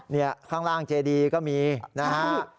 นี่ข้างล่างเจดีก็มีนะฮะ